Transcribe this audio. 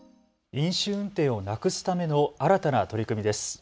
飲酒運転をなくすための新たな取り組みです。